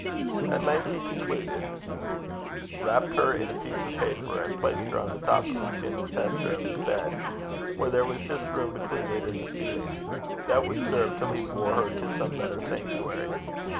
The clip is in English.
At length he concluded wrapped her in a piece of paper, and placed her on the top of the chintz tester of his bed, where there was just room between it and the ceiling: that would serve till he bore her to some better sanctuary.